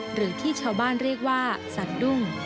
หรือที่ชาวบ้านเรียกว่าสัตว์ดุ้ง